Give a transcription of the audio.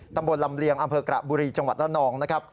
ตำบลลำเลียงอำเภอกระบุรีจังหวัดระนองนะครับ